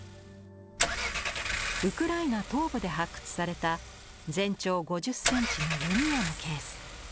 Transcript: ウクライナ東部で発掘された全長５０ｃｍの弓矢のケース。